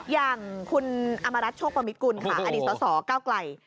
อย่างคุณอมรัฐโชคประมิตกุลค่ะอดีตสสเก้าไกล